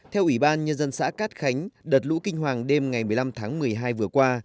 theo ủy ban nhân dân xã cát khánh đợt lũ kinh hoàng đêm ngày một mươi năm tháng một mươi hai vừa qua